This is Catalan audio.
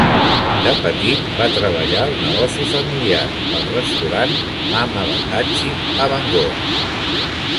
De petit, va treballar al negoci familiar, el restaurant Mama Baldacci a Bangor.